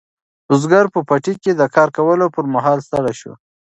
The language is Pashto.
بزګر په پټي کې د کار کولو پر مهال ستړی شو.